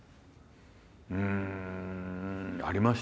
うんありました。